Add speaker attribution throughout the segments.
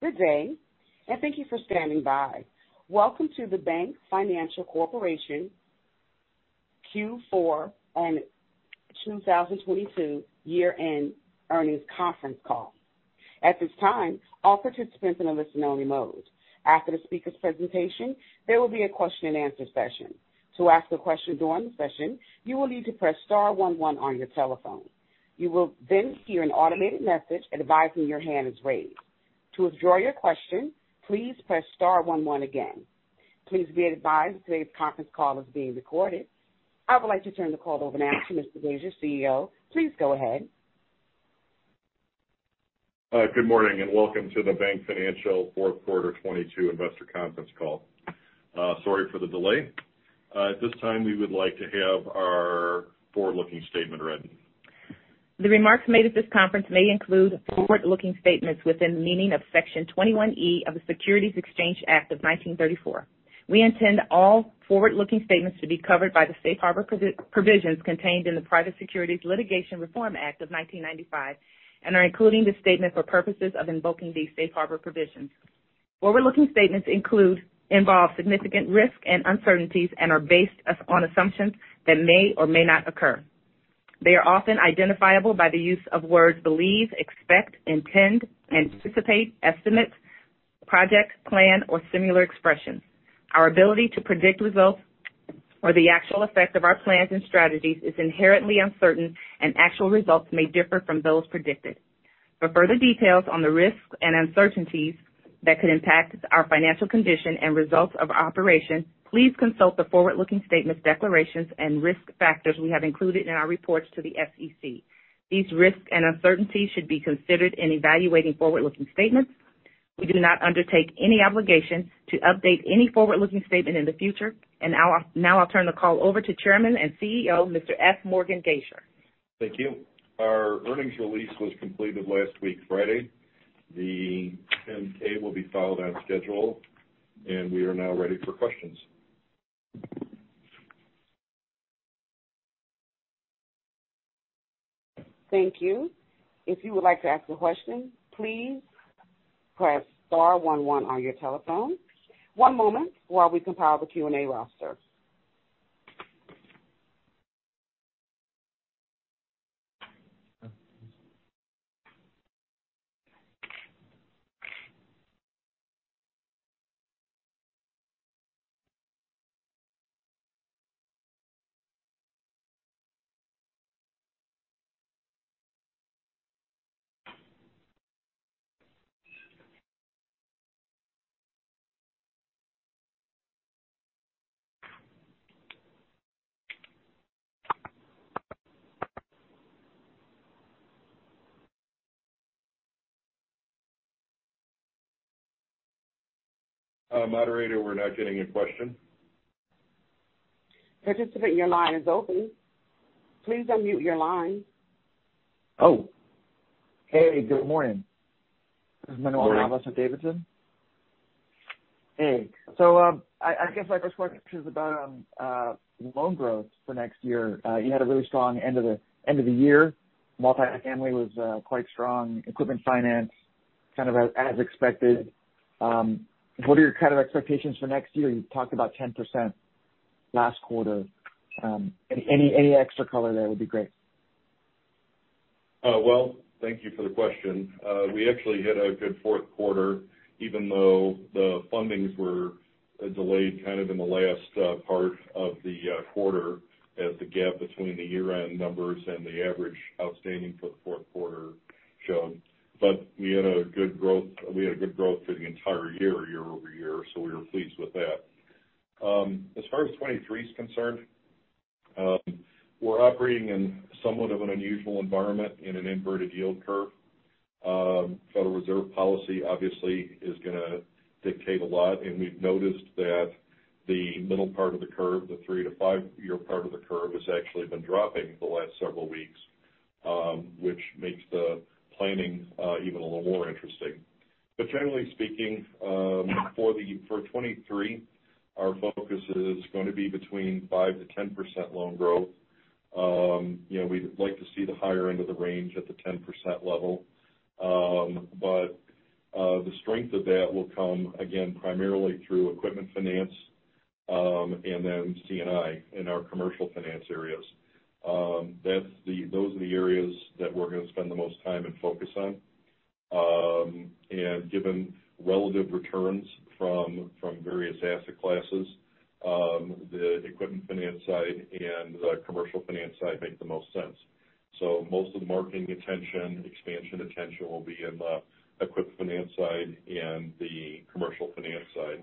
Speaker 1: Good day, thank you for standing by. Welcome to the BankFinancial Corporation Q4 and 2022 year-end earnings conference call. At this time, all participants in a listen only mode. After the speaker's presentation, there will be a question and answer session. To ask a question during the session, you will need to press star one one on your telephone. You will then hear an automated message advising your hand is raised. To withdraw your question, please press star one one again. Please be advised, today's conference call is being recorded. I would like to turn the call over now to Mr. Gaisor, CEO. Please go ahead.
Speaker 2: Good morning and welcome to the BankFinancial fourth quarter 2022 investor conference call. Sorry for the delay. At this time we would like to have our forward-looking statement read.
Speaker 1: The remarks made at this conference may include forward-looking statements within the meaning of Section 21E of the Securities Exchange Act of 1934. We intend all forward-looking statements to be covered by the safe harbor provisions contained in the Private Securities Litigation Reform Act of 1995 and are including the statement for purposes of invoking these safe harbor provisions. Forward-looking statements involve significant risk and uncertainties and are based on assumptions that may or may not occur. They are often identifiable by the use of words believe, expect, intend, anticipate, estimate, project, plan or similar expressions. Our ability to predict results or the actual effect of our plans and strategies is inherently uncertain and actual results may differ from those predicted. For further details on the risks and uncertainties that could impact our financial condition and results of operation, please consult the forward-looking statements, declarations and risk factors we have included in our reports to the SEC. These risks and uncertainties should be considered in evaluating forward-looking statements. We do not undertake any obligation to update any forward-looking statement in the future. Now I'll turn the call over to Chairman and CEO, Mr. F. Morgan Gaisor.
Speaker 2: Thank you. Our earnings release was completed last week Friday. The 10 K will be filed on schedule and we are now ready for questions.
Speaker 1: Thank you. If you would like to ask a question, please press star one one on your telephone. One moment while we compile the Q&A roster.
Speaker 2: Moderator, we're not getting a question.
Speaker 1: Participant, your line is open. Please unmute your line.
Speaker 3: Oh, hey, good morning.
Speaker 2: Good morning.
Speaker 3: This is Manuel Alva with Davidson. I guess my first question is about loan growth for next year. You had a really strong end of the year. Multifamily was quite strong. Equipment finance kind of as expected. What are your kind of expectations for next year? You talked about 10% last quarter. Any extra color there would be great.
Speaker 2: Well, thank you for the question. We actually had a good fourth quarter even though the fundings were delayed kind of in the last part of the quarter as the gap between the year-end numbers and the average outstanding for the fourth quarter showed. We had a good growth for the entire year over year, so we were pleased with that. As far as 2023 is concerned, we're operating in somewhat of an unusual environment in an inverted yield curve. Federal Reserve policy obviously is gonna dictate a lot. We've noticed that the middle part of the curve, the three to five-year part of the curve, has actually been dropping the last several weeks, which makes the planning even a little more interesting. Generally speaking, for 2023, our focus is gonna be between 5%-10% loan growth. You know, we'd like to see the higher end of the range at the 10% level. The strength of that will come again primarily through equipment finance, and then C&I in our commercial finance areas. Those are the areas that we're gonna spend the most time and focus on. Given relative returns from various asset classes, the equipment finance side and the commercial finance side make the most sense. Most of the marketing attention, expansion attention will be in the equip finance side and the commercial finance side.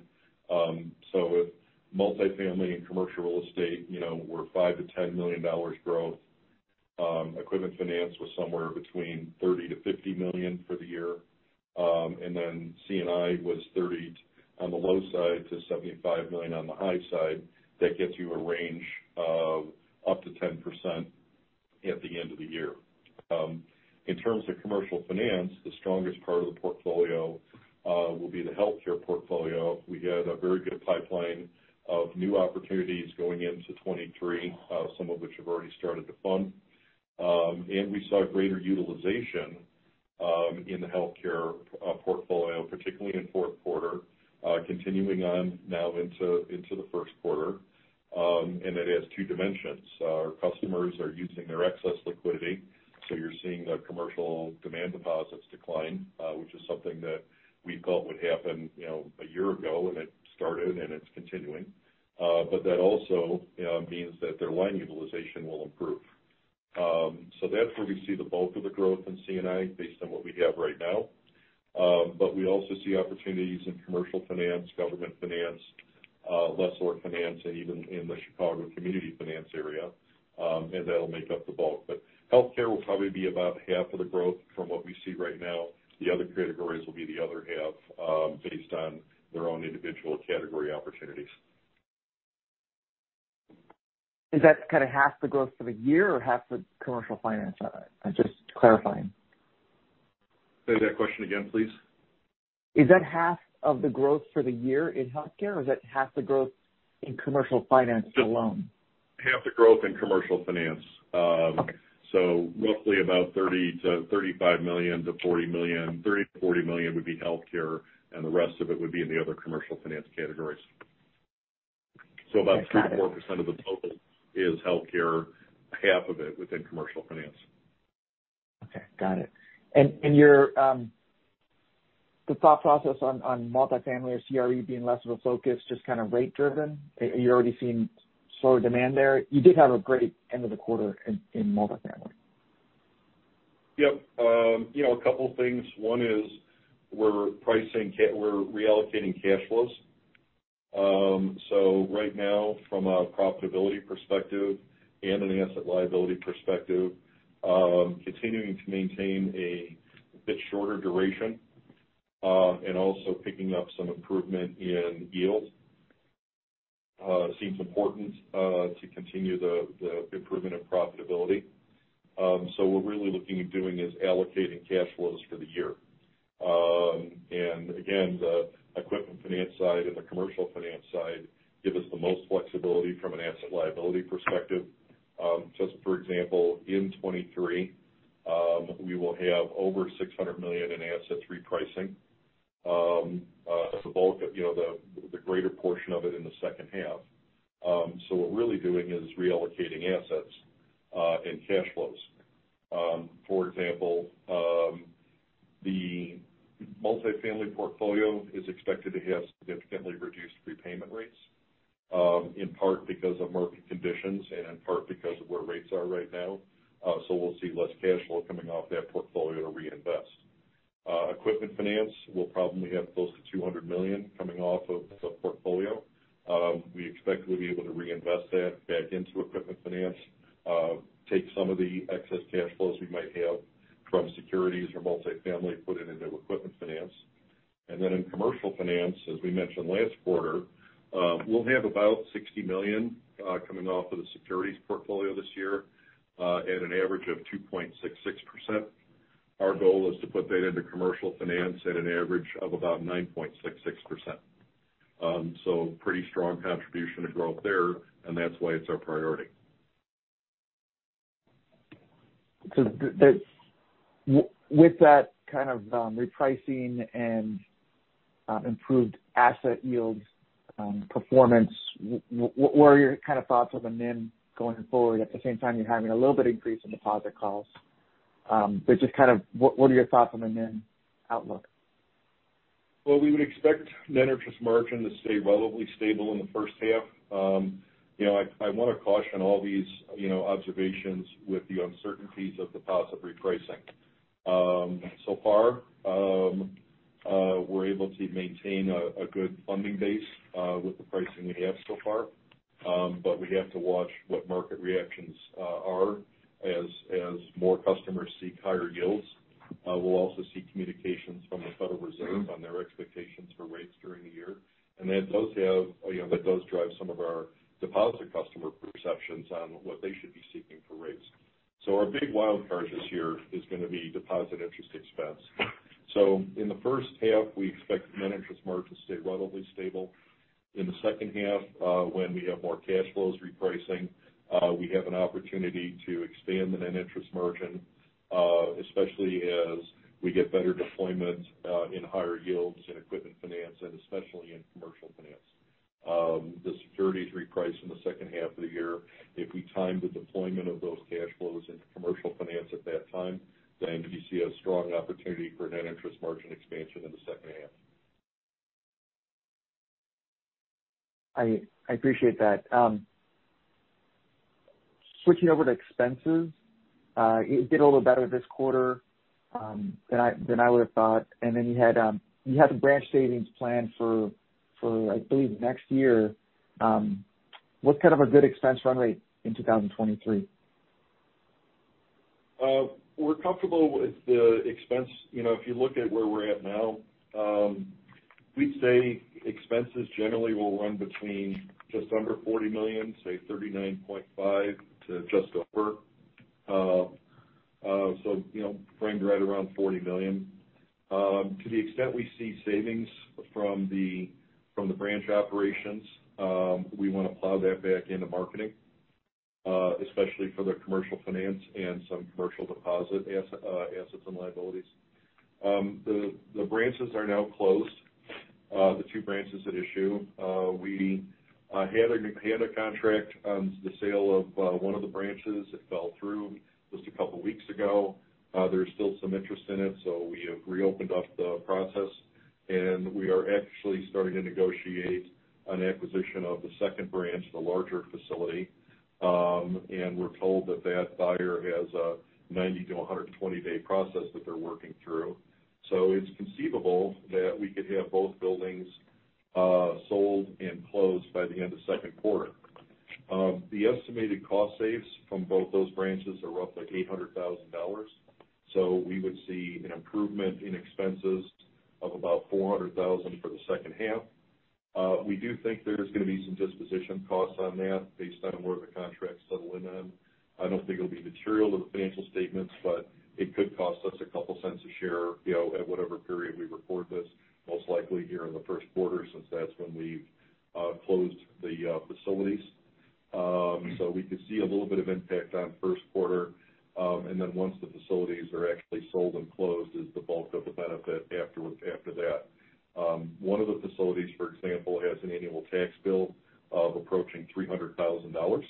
Speaker 2: With multifamily and commercial real estate, you know, we're $5 million-$10 million growth. Equipment finance was somewhere between $30 million-$50 million for the year. C&I was $30 on the low side to $75 million on the high side. That gets you a range of up to 10% at the end of the year. In terms of commercial finance, the strongest part of the portfolio will be the healthcare portfolio. We had a very good pipeline of new opportunities going into 2023, some of which have already started to fund. We saw greater utilization in the healthcare portfolio, particularly in fourth quarter, continuing on now into the first quarter. That has two dimensions. Our customers are using their excess liquidity, so you're seeing the commercial demand deposits decline, which is something that we thought would happen, you know, a year ago when it started, and it's continuing. That also, you know, means that their line utilization will improve. That's where we see the bulk of the growth in C&I based on what we have right now. We also see opportunities in commercial finance, government finance, lessor finance, and even in the Chicago community finance area, that'll make up the bulk. Healthcare will probably be about half of the growth from what we see right now. The other categories will be the other half, based on their own individual category opportunities.
Speaker 3: Is that kind of half the growth for the year or half the commercial finance? I'm just clarifying.
Speaker 2: Say that question again, please.
Speaker 3: Is that half of the growth for the year in healthcare, or is that half the growth in commercial finance alone?
Speaker 2: Half the growth in commercial finance.
Speaker 3: Okay.
Speaker 2: Roughly about $30 million-$35 million to $40 million. $30 million-$40 million would be healthcare, and the rest of it would be in the other commercial finance categories.
Speaker 3: Got it.
Speaker 2: 3%-4% of the total is healthcare, half of it within commercial finance.
Speaker 3: Okay. Got it. Your the thought process on multifamily or CRE being less of a focus just kind of rate driven? Are you already seeing slower demand there? You did have a great end of the quarter in multifamily.
Speaker 2: Yep. You know, a couple things. One is we're reallocating cash flows. Right now from a profitability perspective and an asset liability perspective, continuing to maintain a bit shorter duration, and also picking up some improvement in yields, seems important to continue the improvement of profitability. What we're really looking at doing is allocating cash flows for the year. Again, the equipment finance side and the commercial finance side give us the most flexibility from an asset liability perspective. Just for example, in 2023, we will have over $600 million in assets repricing, the bulk of, you know, the greater portion of it in the second half. What we're really doing is reallocating assets and cash flows. For example, the multifamily portfolio is expected to have significantly reduced prepayment rates, in part because of market conditions and in part because of where rates are right now. We'll see less cash flow coming off that portfolio to reinvest. Equipment finance will probably have close to $200 million coming off we're able to maintain a good funding base, with the pricing we have so far. But we have to watch what market reactions are as more customers seek higher yields. We'll also seek communications from the Federal Reserve on their expectations for rates during the year. That does have, you know, that does drive some of our deposit customer perceptions on what they should be seeking for rates. Our big wild card this year is going to be deposit interest expense. In the first half, we expect net interest margin to stay relatively stable. In the second half, when we have more cash flows repricing, we have an opportunity to expand the net interest margin, especially as we get better deployment, in higher yields in equipment finance and especially in commercial finance. The securities reprice in the second half of the year. If we time the deployment of those cash flows into commercial finance at that time, then we see a strong opportunity for net interest margin expansion in the second half.
Speaker 3: I appreciate that. Switching over to expenses. It did a little better this quarter, than I would have thought. You had the branch savings plan for, I believe, next year. What's kind of a good expense run rate in 2023?
Speaker 2: We're comfortable with the expense. You know, if you look at where we're at now, we'd say expenses generally will run between just under $40 million, say $39.5 to just over. You know, framed right around $40 million. To the extent we see savings from the branch operations, we want to plow that back into marketing, especially for the commercial finance and some commercial deposit assets and liabilities. The branches are now closed, the two branches at issue. We had a contract on the sale of one of the branches. It fell through just a couple weeks ago. There's still some interest in it, so we have reopened up the process, and we are actually starting to negotiate an acquisition of the second branch, the larger facility. We're told that that buyer has a 90-120-day process that they're working through. It's conceivable that we could have both buildings sold and closed by the end of second quarter. The estimated cost saves from both those branches are roughly $800,000. We would see an improvement in expenses of about $400,000 for the second half. We do think there's gonna be some disposition costs on that based on where the contracts settle in on. I don't think it'll be material to the financial statements, but it could cost us a couple cents a share, you know, at whatever period we record this. Most likely here in the first quarter since that's when we've closed the facilities. We could see a little bit of impact on first quarter. Once the facilities are actually sold and closed is the bulk of the benefit after that. One of the facilities, for example, has an annual tax bill of approaching $300,000.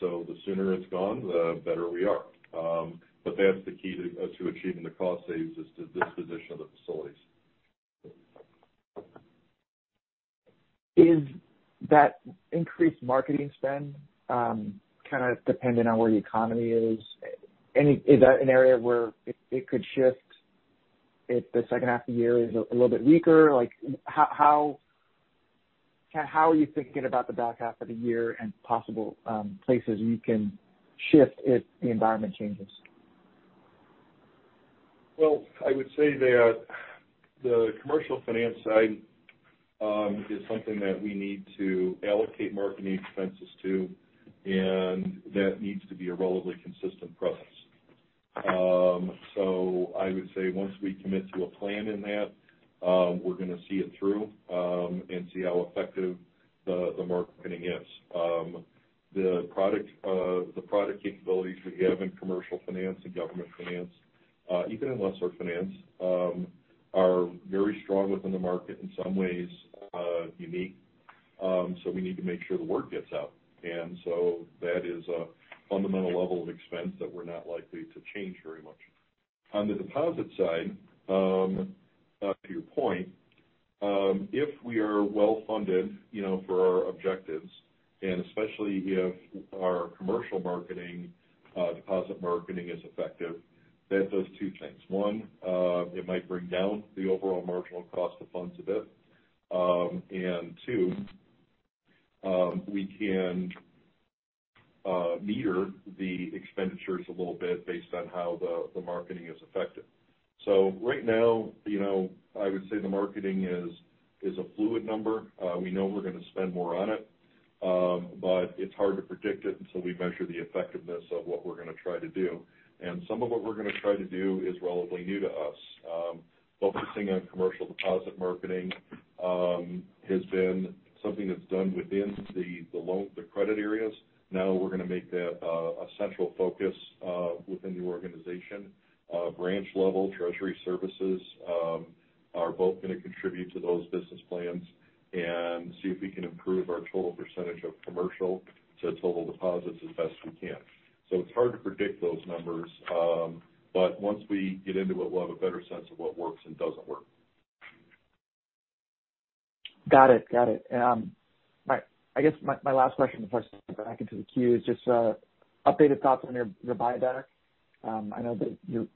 Speaker 2: The sooner it's gone, the better we are. That's the key to achieving the cost saves is the disposition of the facilities.
Speaker 3: Is that increased marketing spend, kind of dependent on where the economy is? Is that an area where it could shift if the second half of the year is a little bit weaker? Like Kind of how are you thinking about the back half of the year and possible places you can shift if the environment changes?
Speaker 2: Well, I would say that the commercial finance side is something that we need to allocate marketing expenses to, and that needs to be a relatively consistent presence. I would say once we commit to a plan in that, we're gonna see it through, and see how effective the marketing is. The product capabilities we have in commercial finance and government finance, even in lessor finance, are very strong within the market, in some ways, unique. We need to make sure the word gets out. That is a fundamental level of expense that we're not likely to change very much. On the deposit side, to your point, if we are well-funded, you know, for our objectives, and especially if our commercial marketing, deposit marketing is effective, that does two things. One, it might bring down the overall marginal cost of funds a bit. Two, we can meter the expenditures a little bit based on how the marketing is effective. Right now, you know, I would say the marketing is a fluid number. We know we're gonna spend more on it. It's hard to predict it until we measure the effectiveness of what we're gonna try to do. Some of what we're gonna try to do is relatively new to us. Focusing on commercial deposit marketing has been something that's done within the loan, the credit areas. Now we're gonna make that a central focus within the organization. branch level treasury services, are both gonna contribute to those business plans and see if we can improve our total percentage of commercial to total deposits as best we can. It's hard to predict those numbers, but once we get into it, we'll have a better sense of what works and doesn't work.
Speaker 3: Got it. Got it. I guess my last question before I send it back into the queue is just updated thoughts on your buyback. I know that you're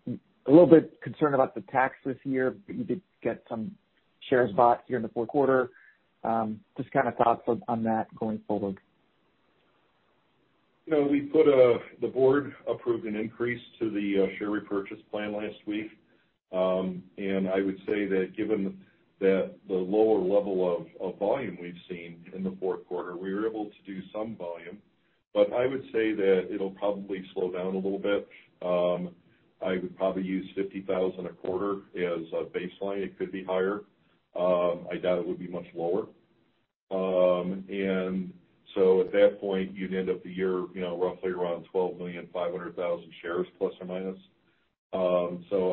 Speaker 3: a little bit concerned about the tax this year, but you did get some shares bought here in the fourth quarter. Just kind of thoughts on that going forward.
Speaker 2: You know, we put the board approved an increase to the share repurchase plan last week. I would say that given that the lower level of volume we've seen in the fourth quarter, we were able to do some volume. I would say that it'll probably slow down a little bit. I would probably use $50,000 a quarter as a baseline. It could be higher. I doubt it would be much lower. At that point, you'd end up the year, you know, roughly around 12,500,000 shares, ±.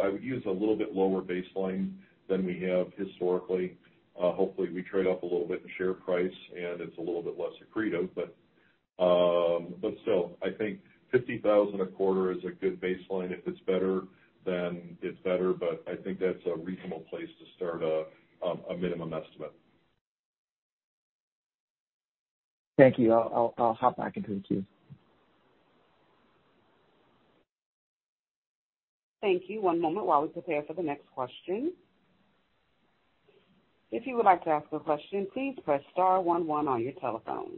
Speaker 2: I would use a little bit lower baseline than we have historically. Hopefully, we trade up a little bit in share price, and it's a little bit less accretive. Still, I think $50,000 a quarter is a good baseline. If it's better, then it's better, but I think that's a reasonable place to start a minimum estimate.
Speaker 3: Thank you. I'll hop back into the queue.
Speaker 1: Thank you. One moment while we prepare for the next question. If you would like to ask a question, please press star one one on your telephone.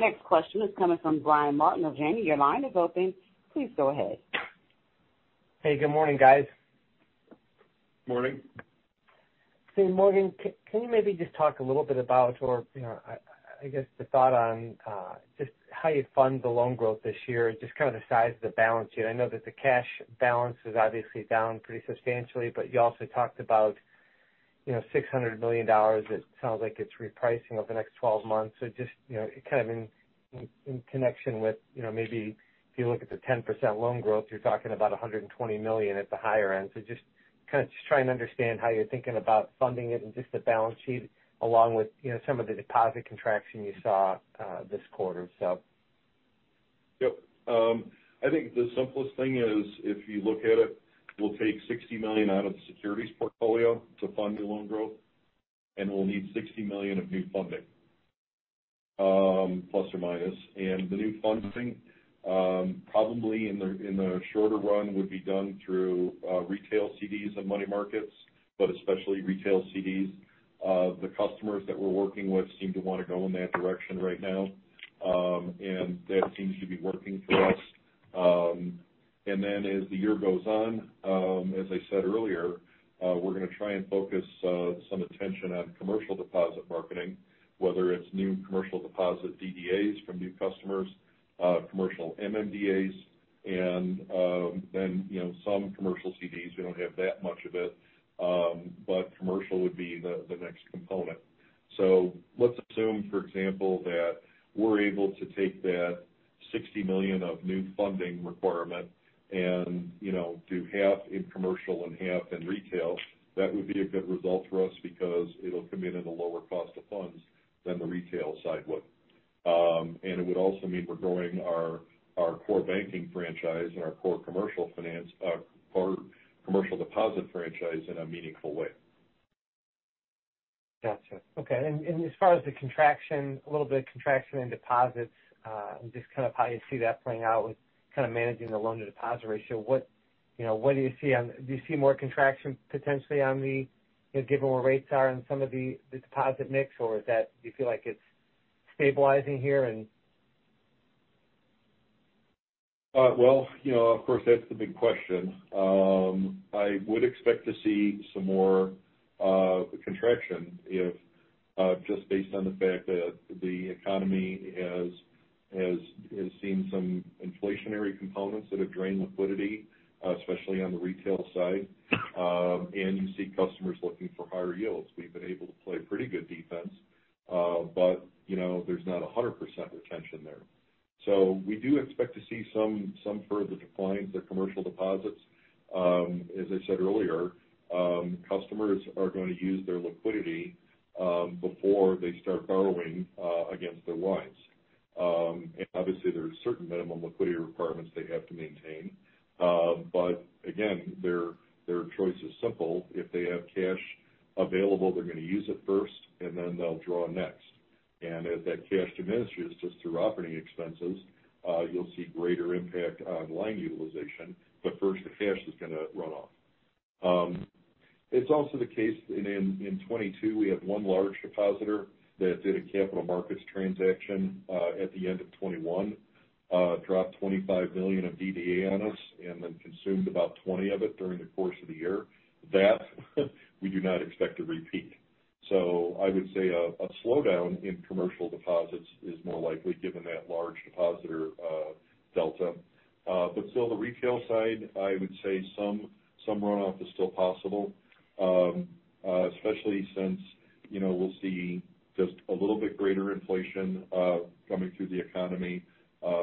Speaker 1: Next question is coming from Brian Martin of Janney. Your line is open. Please go ahead.
Speaker 4: Hey, good morning, guys.
Speaker 2: Morning.
Speaker 4: Hey, Morgan, can you maybe just talk a little bit about or, you know, I guess, the thought on just how you'd fund the loan growth this year, just kind of the size of the balance sheet. I know that the cash balance is obviously down pretty substantially, you also talked about, you know, $600 million, it sounds like it's repricing over the next 12 months. Just, you know, kind of in connection with, you know, maybe if you look at the 10% loan growth, you're talking about $120 million at the higher end. Just trying to understand how you're thinking about funding it and just the balance sheet along with, you know, some of the deposit contraction you saw this quarter.
Speaker 2: Yep. I think the simplest thing is if you look at it, we'll take $60 million out of the securities portfolio to fund the loan growth. We'll need $60 million of new funding, plus or minus. The new funding, probably in the shorter run, would be done through retail CDs and money markets, but especially retail CDs. The customers that we're working with seem to wanna go in that direction right now. That seems to be working for us. As the year goes on, as I said earlier, we're gonna try and focus some attention on commercial deposit marketing, whether it's new commercial deposit DDAs from new customers, commercial MMDA, and, you know, some commercial CDs. We don't have that much of it, commercial would be the next component. Let's assume, for example, that we're able to take that $60 million of new funding requirement and, you know, do half in commercial and half in retail. That would be a good result for us because it'll come in at a lower cost of funds than the retail side would. It would also mean we're growing our core banking franchise and our core commercial finance, core commercial deposit franchise in a meaningful way.
Speaker 4: Gotcha. Okay. As far as the contraction, a little bit of contraction in deposits, and just kind of how you see that playing out with kind of managing the loan to deposit ratio, what, you know, what do you see? Do you see more contraction potentially on the, you know, given where rates are in some of the deposit mix, or is that, do you feel like it's stabilizing here.
Speaker 2: Well, you know, of course, that's the big question. I would expect to see some more contraction if, just based on the fact that the economy has seen some inflationary components that have drained liquidity, especially on the retail side. You see customers looking for higher yields. We've been able to play pretty good defense, but, you know, there's not 100% retention there. We do expect to see some further declines in commercial deposits. As I said earlier, customers are gonna use their liquidity before they start borrowing against their lines. Obviously, there are certain minimum liquidity requirements they have to maintain. Again, their choice is simple. If they have cash available, they're gonna use it first, and then they'll draw next. As that cash diminishes just through operating expenses, you'll see greater impact on line utilization. First, the cash is gonna run off. It's also the case in 2022, we had one large depositor that did a capital markets transaction at the end of 2021, dropped $25 million of DDA on us and then consumed about 20 of it during the course of the year. That we do not expect to repeat. I would say a slowdown in commercial deposits is more likely given that large depositor delta. But still, the retail side, I would say some runoff is still possible, especially since, you know, we'll see just a little bit greater inflation coming through the economy,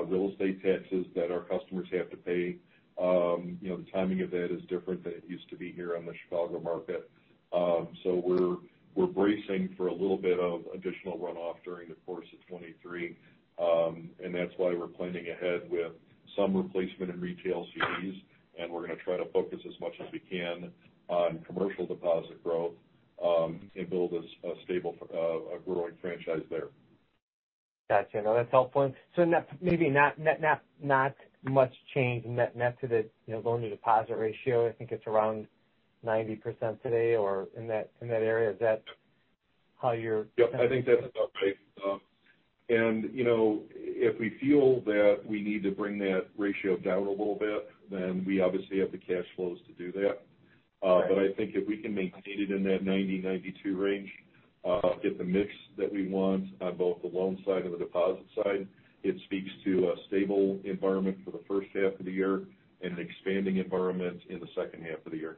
Speaker 2: real estate taxes that our customers have to pay. You know, the timing of that is different than it used to be here on the Chicago market. We're, we're bracing for a little bit of additional runoff during the course of 2023. That's why we're planning ahead with some replacement in retail CDs, and we're gonna try to focus as much as we can on commercial deposit growth, and build a stable, a growing franchise there.
Speaker 4: Gotcha. No, that's helpful. Not, maybe not much change net to the, you know, loan to deposit ratio. I think it's around 90% today or in that area. Is that how you're?
Speaker 2: Yep. I think that's about right. You know, if we feel that we need to bring that ratio down a little bit, then we obviously have the cash flows to do that.
Speaker 4: Right.
Speaker 2: I think if we can maintain it in that 90-92 range, get the mix that we want on both the loan side and the deposit side, it speaks to a stable environment for the first half of the year and an expanding environment in the second half of the year.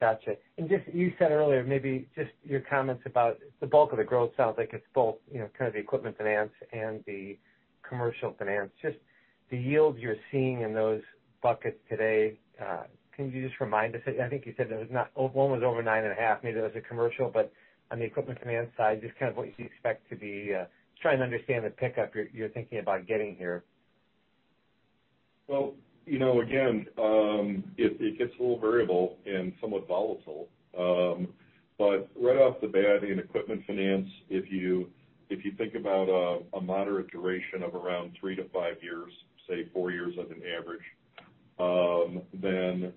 Speaker 4: Gotcha. Just, you said earlier, maybe just your comments about the bulk of the growth sounds like it's both, you know, kind of the equipment finance and the commercial finance. Just the yields you're seeing in those buckets today, can you just remind us? I think you said that it was not, one was over 9.5%, maybe that was the commercial. On the equipment finance side, just kind of what you expect to be, just trying to understand the pickup you're thinking about getting here.
Speaker 2: Well, you know, again, it gets a little variable and somewhat volatile. Right off the bat in equipment finance, if you think about a moderate duration of around three to five years, say five years as an average, then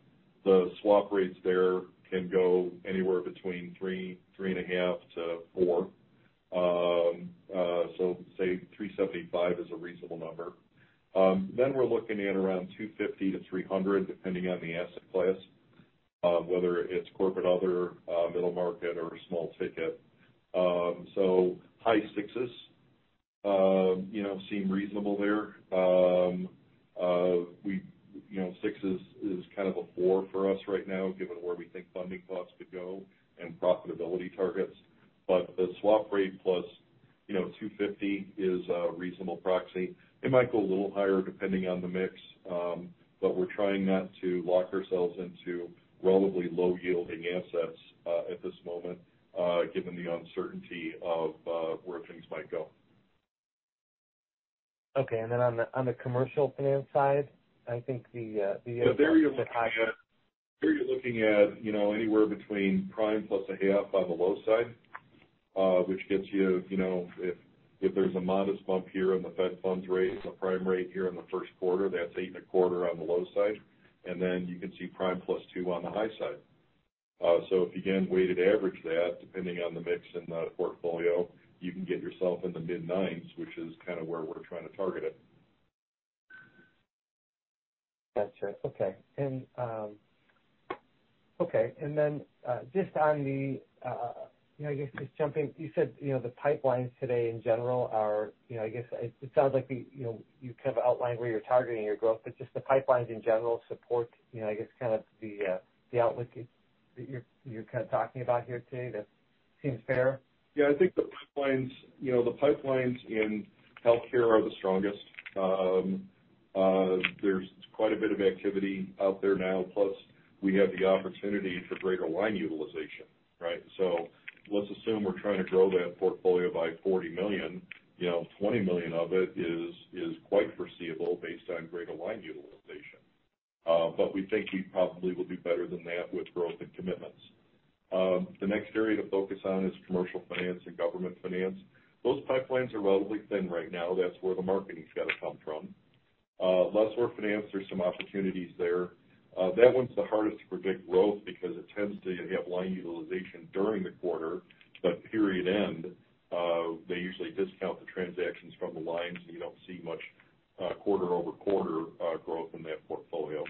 Speaker 2: the swap rates there can go anywhere between 3.5 to four. Say 3.75 is a reasonable number. Then we're looking at around 250-300, depending on the asset class, whether it's corporate other, middle market or small ticket. High 6s, you know, seem reasonable there. You know, six is kind of a four for us right now, given where we think funding costs could go and profitability targets. The swap rate plus, you know, 250 is a reasonable proxy. It might go a little higher depending on the mix, but we're trying not to lock ourselves into relatively low yielding assets, at this moment, given the uncertainty of, where things might go.
Speaker 4: Okay. On the, on the commercial finance side, I think the.
Speaker 2: Yeah, there you're looking at, you know, anywhere between prime plus a half on the low side, which gets you know, if there's a modest bump here in the Fed funds rate and the prime rate here in the first quarter, that's eight and a quarter on the low side. Then you can see prime plus two on the high side. If you again weighted average that, depending on the mix in the portfolio, you can get yourself in the mid-nines, which is kind of where we're trying to target it.
Speaker 4: Got you. Okay. Then, just on the, you know, I guess just jumping, you said, you know, the pipelines today in general are, you know, I guess it sounds like the, you know, you kind of outlined where you're targeting your growth, but just the pipelines in general support, you know, I guess, kind of the outlook that you're kind of talking about here today. That seems fair?
Speaker 2: Yeah. I think the pipelines, you know, the pipelines in healthcare are the strongest. There's quite a bit of activity out there now, plus we have the opportunity for greater line utilization, right? Let's assume we're trying to grow that portfolio by $40 million. You know, $20 million of it is quite foreseeable based on greater line utilization. We think we probably will do better than that with growth and commitments. The next area to focus on is commercial finance and government finance. Those pipelines are relatively thin right now. That's where the marketing's gotta come from. Lessor finance, there's some opportunities there. That one's the hardest to predict growth because it tends to have line utilization during the quarter. Period end, they usually discount the transactions from the lines, and you don't see much quarter-over-quarter growth in that portfolio.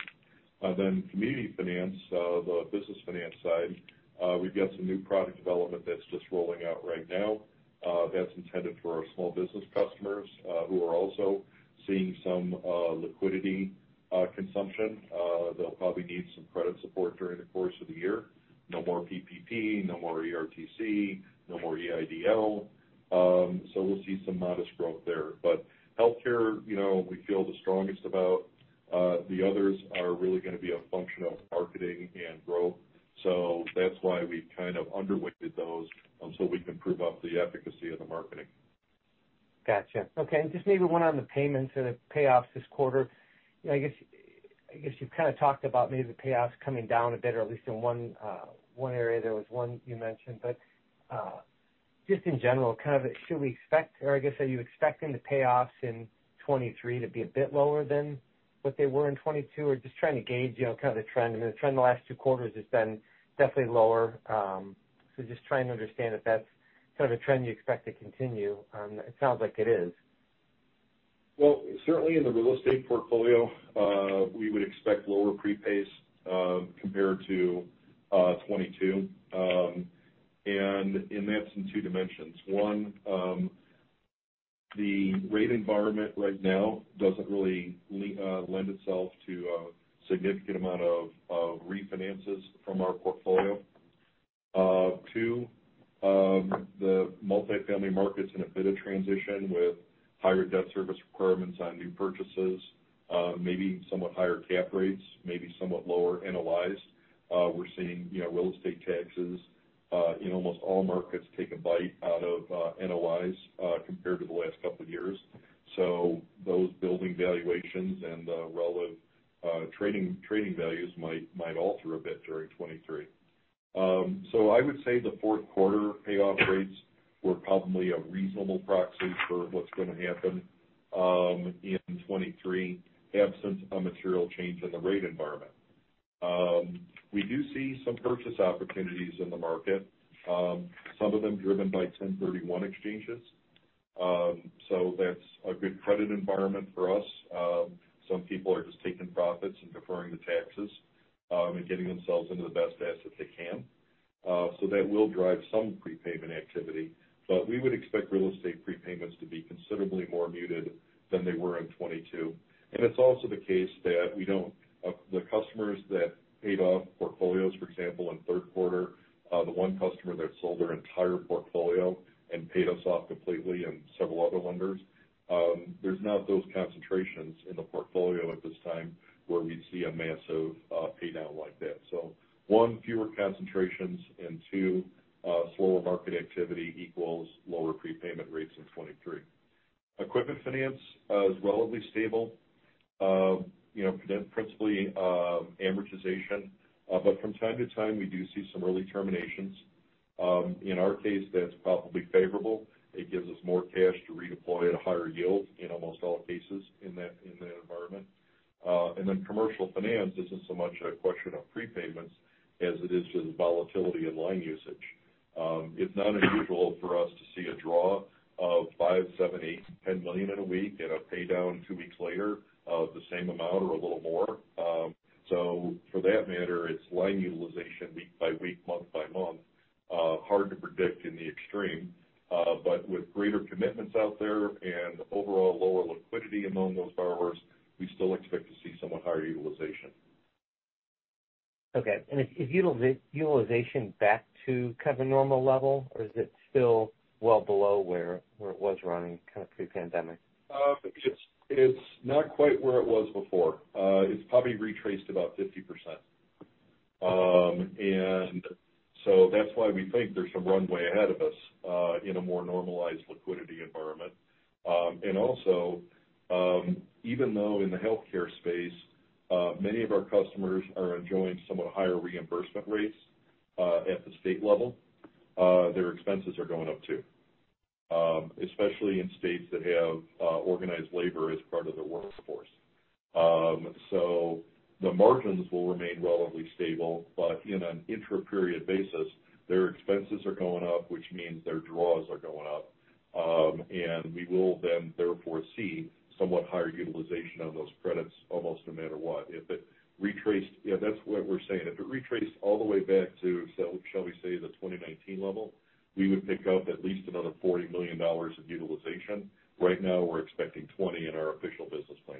Speaker 2: Community finance, the business finance side, we've got some new product development that's just rolling out right now, that's intended for our small business customers, who are also seeing some liquidity consumption. They'll probably need some credit support during the course of the year. No more PPP, no more ERTC, no more EIDL, so we'll see some modest growth there. Healthcare, you know, we feel the strongest about. The others are really gonna be a function of marketing and growth. That's why we've kind of underweighted those, so we can prove out the efficacy of the marketing.
Speaker 4: Gotcha. Okay. Just maybe one on the payments and the payoffs this quarter. You know, I guess you've kind of talked about maybe the payoffs coming down a bit, or at least in one area there was one you mentioned. Just in general, kind of should we expect, or I guess, are you expecting the payoffs in 2023 to be a bit lower than what they were in 2022? Just trying to gauge, you know, kind of the trend. I mean, the trend the last two quarters has been definitely lower. Just trying to understand if that's sort of a trend you expect to continue. It sounds like it is.
Speaker 2: Well, certainly in the real estate portfolio, we would expect lower prepays compared to 2022. That's in two dimensions. One, the rate environment right now doesn't really lend itself to a significant amount of refinances from our portfolio. Two, the multifamily market's in a bit of transition with higher debt service requirements on new purchases, maybe somewhat higher cap rates, maybe somewhat lower NOIs. We're seeing, you know, real estate taxes in almost all markets take a bite out of NOIs compared to the last couple of years. Those building valuations and the relevant, trading values might alter a bit during 2023. I would say the fourth quarter payoff rates were probably a reasonable proxy for what's gonna happen in 2023, absent a material change in the rate environment. We do see some purchase opportunities in the market, some of them driven by 1031 exchanges. That's a good credit environment for us. Some people are just taking profits and deferring the taxes, and getting themselves into the best asset they can. That will drive some prepayment activity. We would expect real estate prepayments to be considerably more muted than they were in 2022. It's also the case that the customers that paid off portfolios, for example, in third quarter, the one customer that sold their entire portfolio and paid us off completely and several other lenders, there's not those concentrations in the portfolio at this time where we'd see a massive pay down like that. one, fewer concentrations, and two, slower market activity equals lower prepayment rates in 2023. Equipment finance is relatively stable, you know, principally, amortization. From time to time, we do see some early terminations. In our case, that's probably favorable. It gives us more cash to redeploy at a higher yield in almost all cases in that environment. Commercial finance isn't so much a question of prepayments as it is just volatility in line usage. It's not unusual for us to see a draw of $5 million, $7 million, $8 million, $10 million in a week and a pay down two weeks later of the same amount or a little more. For that matter, it's line utilization week by week, month by month. Hard to predict in the extreme, but with greater commitments out there and overall lower liquidity among those borrowers, we still expect to see somewhat higher utilization.
Speaker 4: Okay. Is utilization back to kind of a normal level, or is it still well below where it was running kind of pre-pandemic?
Speaker 2: It's, it's not quite where it was before. It's probably retraced about 50%. That's why we think there's some runway ahead of us in a more normalized liquidity environment. Also, even though in the healthcare space, many of our customers are enjoying somewhat higher reimbursement rates at the state level, their expenses are going up too, especially in states that have organized labor as part of their workforce. The margins will remain relatively stable, but in an intra-period basis, their expenses are going up, which means their draws are going up. We will then therefore see somewhat higher utilization of those credits almost no matter what. Yeah, that's what we're saying. If it retraced all the way back to shall we say, the 2019 level, we would pick up at least another $40 million of utilization. Right now, we're expecting $20 million in our official business plan.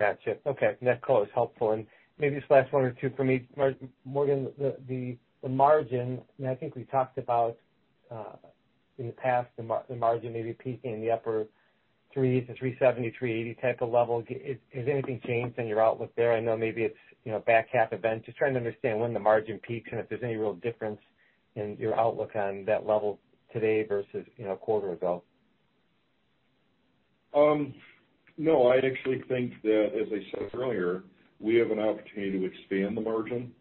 Speaker 4: Gotcha. Okay. That call is helpful. Maybe just last one or two for me. Morgan, the margin, I think we talked about in the past, the margin maybe peaking in the upper threes to 3.70%, 3.80% type of level. Has anything changed in your outlook there? I know maybe it's, you know, back half event. Just trying to understand when the margin peaks and if there's any real difference in your outlook on that level today versus, you know, a quarter ago.
Speaker 2: No, I'd actually think that, as I said earlier, we have an opportunity to expand the margin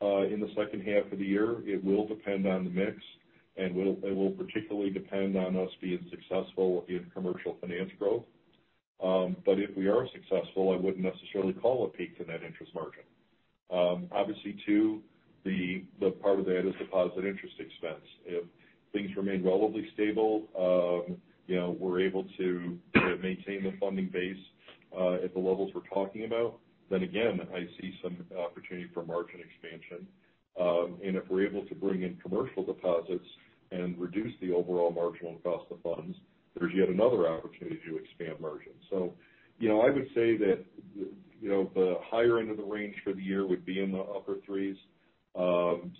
Speaker 2: in the second half of the year. It will depend on the mix, and it will particularly depend on us being successful in commercial finance growth. If we are successful, I wouldn't necessarily call a peak to net interest margin. Obviously too, the part of that is deposit interest expense. If things remain relatively stable, you know, we're able to maintain the funding base at the levels we're talking about, then again, I see some opportunity for margin expansion. If we're able to bring in commercial deposits and reduce the overall marginal cost of funds, there's yet another opportunity to expand margins. You know, I would say that, you know, the higher end of the range for the year would be in the upper 3s.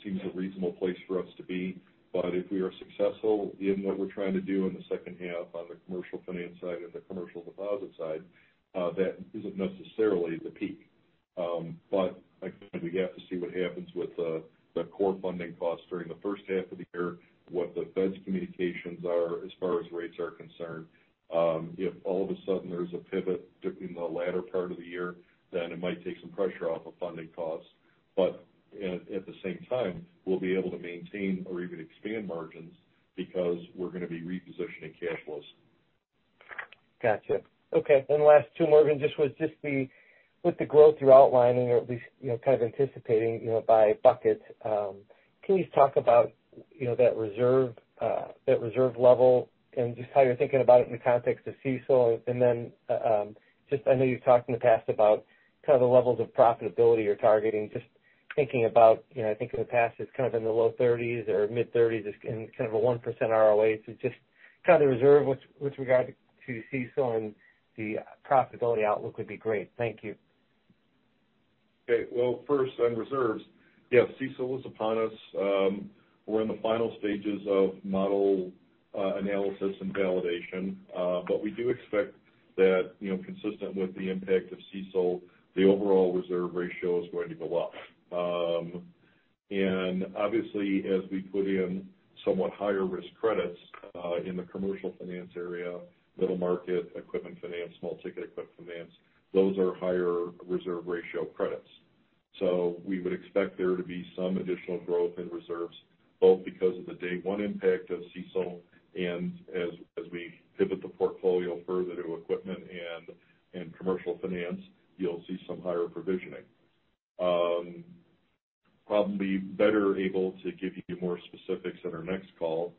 Speaker 2: Seems a reasonable place for us to be. If we are successful in what we're trying to do in the second half on the commercial finance side and the commercial deposit side, that isn't necessarily the peak. Like we have to see what happens with the core funding costs during the first half of the year, what the Fed's communications are as far as rates are concerned. If all of a sudden there's a pivot during the latter part of the year, then it might take some pressure off of funding costs. At the same time, we'll be able to maintain or even expand margins because we're gonna be repositioning cash flows.
Speaker 4: Gotcha. Okay. Last two, Morgan, just the, with the growth you're outlining or at least, you know, kind of anticipating, you know, by buckets, can you just talk about, you know, that reserve, that reserve level and just how you're thinking about it in the context of CECL? Then, I know you've talked in the past about kind of the levels of profitability you're targeting. Just thinking about, you know, I think in the past, it's kind of in the low 30s or mid-30s, it's in kind of a 1% ROA. Just kind of the reserve with regard to CECL and the profitability outlook would be great. Thank you.
Speaker 2: Okay. Well, first on reserves, yeah, CECL is upon us. We're in the final stages of model analysis and validation. We do expect that, you know, consistent with the impact of CECL, the overall reserve ratio is going to go up. Obviously, as we put in somewhat higher risk credits in the commercial finance area, middle market, equipment finance, small-ticket equip finance, those are higher reserve ratio credits. We would expect there to be some additional growth in reserves, both because of the day one impact of CECL and as we pivot the portfolio further to equipment and commercial finance, you'll see some higher provisioning. Probably better able to give you more specifics on our next call.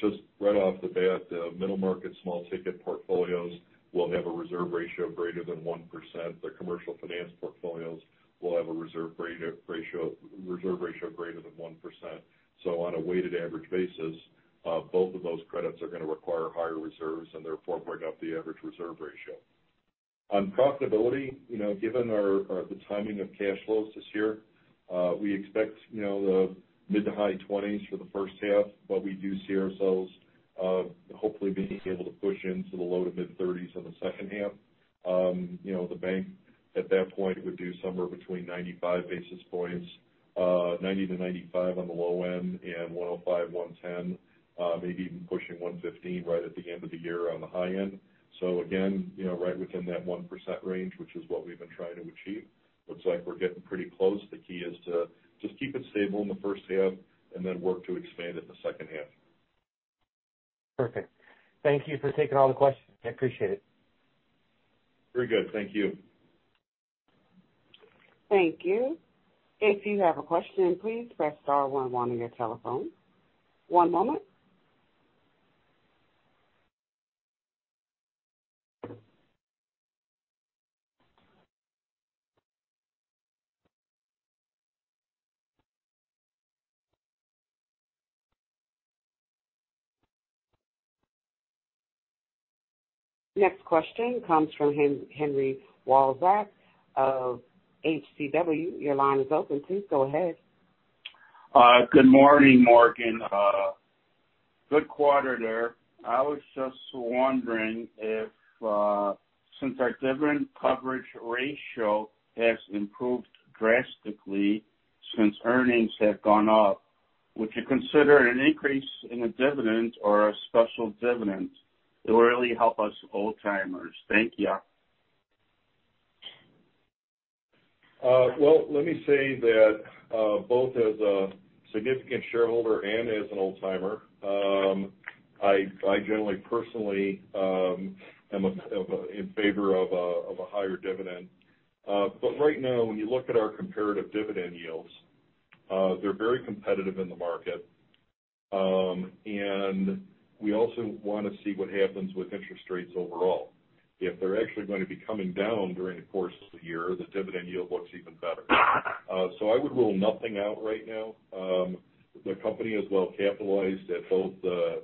Speaker 2: Just right off the bat, middle market, small ticket portfolios will have a reserve ratio greater than 1%. The commercial finance portfolios will have a reserve ratio greater than 1%. On a weighted average basis, both of those credits are gonna require higher reserves and therefore bring up the average reserve ratio. On profitability, you know, given the timing of cash flows this year, we expect, you know, the mid to high 20s for the first half, but we do see ourselves hopefully being able to push into the low to mid 30s in the second half. you know, the bank at that point would do somewhere between 95 basis points, 90-95 on the low end and 105, 110, maybe even pushing 115 right at the end of the year on the high end. Again, you know, right within that 1% range, which is what we've been trying to achieve. Looks like we're getting pretty close. The key is to just keep it stable in the first half and then work to expand it in the second half.
Speaker 4: Perfect. Thank you for taking all the questions. I appreciate it.
Speaker 2: Very good. Thank you.
Speaker 1: Thank you. If you have a question, please press star one one on your telephone. One moment. Next question comes from Henry Walzak of HCW. Your line is open. Please go ahead.
Speaker 5: Good morning, Morgan. Good quarter there. I was just wondering if, since our dividend coverage ratio has improved drastically since earnings have gone up, would you consider an increase in the dividend or a special dividend? It would really help us old-timers. Thank you.
Speaker 2: Well, let me say that, both as a significant shareholder and as an old-timer, I generally personally am in favor of a higher dividend. Right now, when you look at our comparative dividend yields, they're very competitive in the market. We also wanna see what happens with interest rates overall. If they're actually going to be coming down during the course of the year, the dividend yield looks even better. I would rule nothing out right now. The company is well capitalized at both the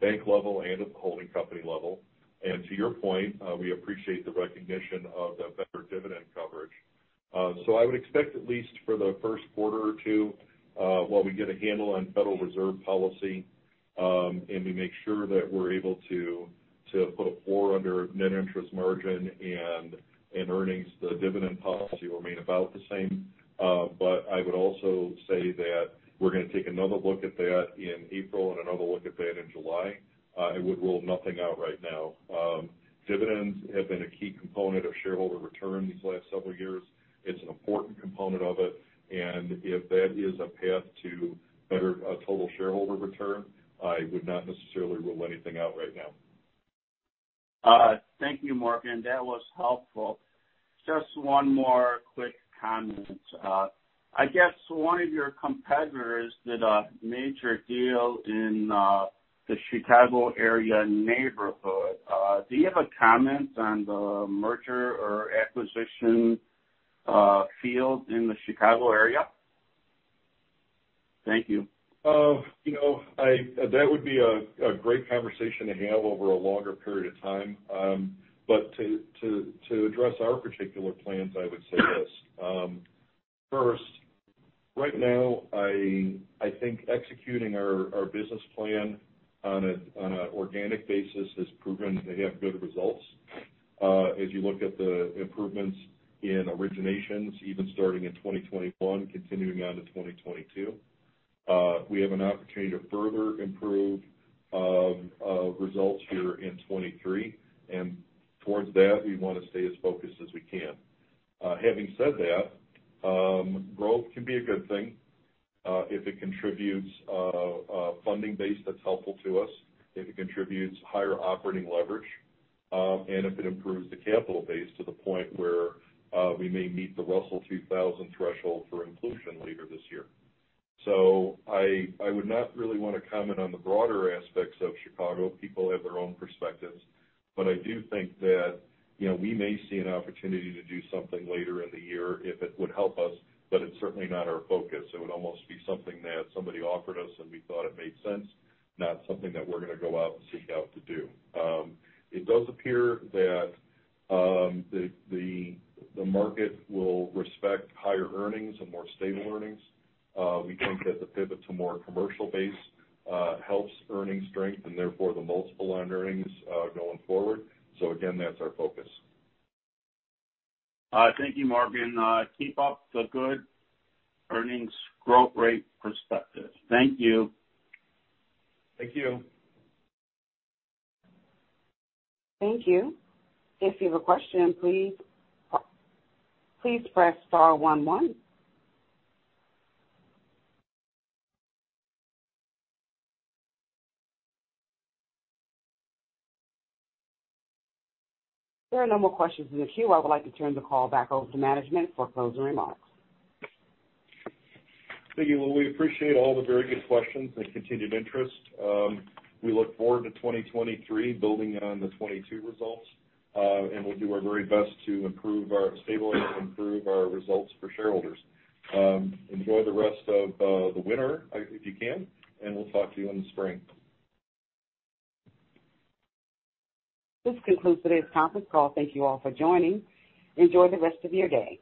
Speaker 2: bank level and at the holding company level. To your point, we appreciate the recognition of the better dividend coverage. I would expect, at least for the first quarter or two, while we get a handle on Federal Reserve policy, and we make sure that we're able to put a floor under net interest margin and earnings, the dividend policy will remain about the same. I would also say that we're gonna take another look at that in April and another look at that in July, and would rule nothing out right now. Dividends have been a key component of shareholder return these last several years. It's an important component of it. If that is a path to better total shareholder return, I would not necessarily rule anything out right now.
Speaker 5: Thank you, Morgan. That was helpful. Just one more quick comment. I guess one of your competitors did a major deal in the Chicago area neighborhood. Do you have a comment on the merger or acquisition field in the Chicago area? Thank you.
Speaker 2: you know, that would be a great conversation to have over a longer period of time. but to address our particular plans, I would say this. first, right now, I think executing our business plan on a organic basis has proven to have good results. if you look at the improvements in originations, even starting in 2021, continuing on to 2022, we have an opportunity to further improve results here in 2023. Towards that, we want to stay as focused as we can. Having said that, growth can be a good thing, if it contributes a funding base that's helpful to us, if it contributes higher operating leverage, and if it improves the capital base to the point where we may meet the Russell 2000 threshold for inclusion later this year. I would not really wanna comment on the broader aspects of Chicago. People have their own perspectives. I do think that, you know, we may see an opportunity to do something later in the year if it would help us, but it's certainly not our focus. It would almost be something that somebody offered us and we thought it made sense, not something that we're gonna go out and seek out to do. It does appear that the market will respect higher earnings and more stable earnings. We think that the pivot to more commercial base, helps earnings strength and therefore the multiple on earnings, going forward. Again, that's our focus.
Speaker 5: Thank you, Morgan. Keep up the good earnings growth rate perspective. Thank you.
Speaker 2: Thank you.
Speaker 1: Thank you. If you have a question, please press star one one. There are no more questions in the queue. I would like to turn the call back over to management for closing remarks.
Speaker 2: Thank you. Well, we appreciate all the very good questions and continued interest. We look forward to 2023 building on the 2022 results. We'll do our very best to improve our stability and improve our results for shareholders. Enjoy the rest of the winter, if you can, and we'll talk to you in the spring.
Speaker 1: This concludes today's conference call. Thank you all for joining. Enjoy the rest of your day.